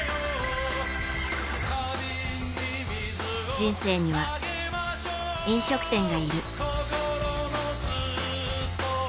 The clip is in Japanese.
人生には、飲食店がいる。